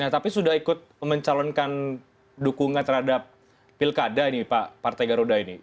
tapi sudah ikut mencalonkan dukungan terhadap pilkada ini pak partai garuda ini